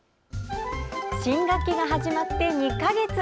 新学期が始まって２か月！